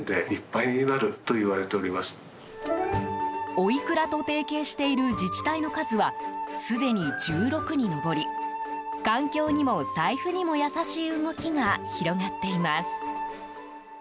おいくらと提携している自治体の数はすでに１６に上り環境にも財布にも優しい動きが広がっています。